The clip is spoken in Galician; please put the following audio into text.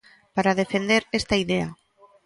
Para defender esta idea.